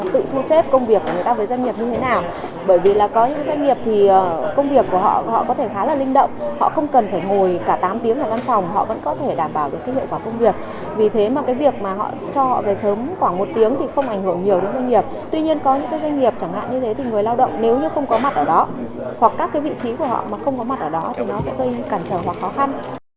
tuy nhiên có những doanh nghiệp chẳng hạn như thế thì người lao động nếu như không có mặt ở đó hoặc các vị trí của họ mà không có mặt ở đó thì nó sẽ gây cản trở hoặc khó khăn